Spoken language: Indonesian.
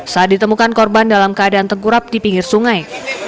saat ditemukan korban dalam keadaan tengkurap di pinggir sungai